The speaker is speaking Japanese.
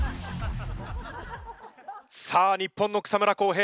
さあ日本の草村航平